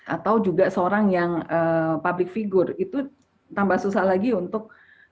atau juga seorang yang public figure itu tambah susah lagi untuk